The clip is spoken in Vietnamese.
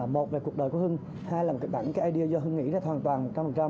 một là cuộc đời của hưng hai là một cái bản cái idea do hưng nghĩ là hoàn toàn một trăm linh